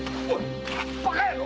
⁉バカ野郎！